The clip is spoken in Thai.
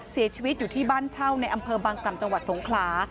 เสียชีวิตอยู่ที่บ้านเช่าในอำเภอบางกล่ำจังหวัดสงขลา